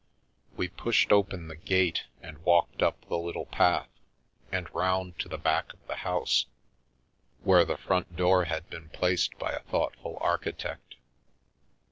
We pushed open the gate and walked up the little path, and round to the back of the house, where the front door had been placed by a thoughtful architect.